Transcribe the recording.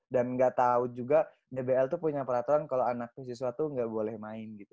dan gak tahu juga dbl tuh punya peraturan kalau anak anak siswa tuh gak boleh main gitu